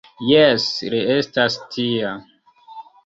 Jes, li estas tia.